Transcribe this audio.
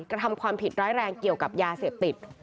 กระทำความผิดร้ายแรงเกี่ยวกับยาเสพติด